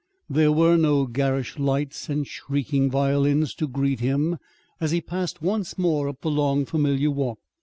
There were no garish lights and shrieking violins to greet him as he passed once more up the long, familiar walk.